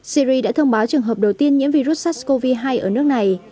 syri đã thông báo trường hợp đầu tiên nhiễm virus sars cov hai ở nước này